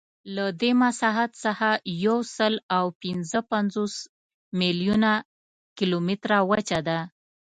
له دې مساحت څخه یوسلاوپینځهپنځوس میلیونه کیلومتره وچه ده.